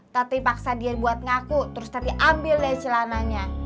tapi paksa dia buat ngaku terus tadi ambil deh celananya